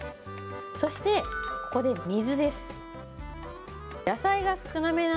そして、ここで水です。